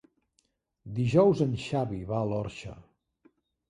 Dijous en Xavi va a l'Orxa.